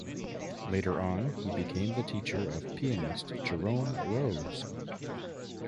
Later on, he became the teacher of pianist Jerome Rose.